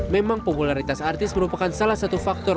memang popularitas artis merupakan salah satu faktor